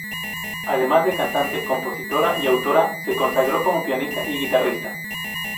Además de cantante, compositora y autora, se consagró como pianista y guitarrista.